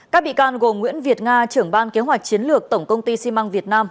các bị can gồm nguyễn việt nga trưởng ban kế hoạch chiến lược tổng công ty xi măng việt nam